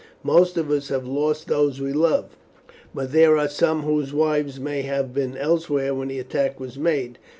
Most of us have lost those we love, but there are some whose wives may have been elsewhere when the attack was made.